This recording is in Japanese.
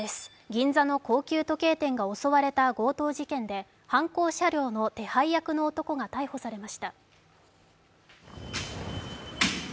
銀座の高級時計店が襲われた強盗事件で犯行車両の手配役の男が逮捕されました。